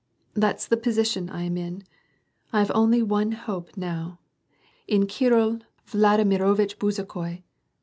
That's the position I am in. I have only one hope now, — in Kirill Vladimirovitch Bezukhoi.